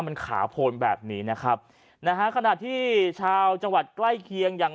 มันขาโพนแบบนี้นะครับนะฮะขณะที่ชาวจังหวัดใกล้เคียงอย่าง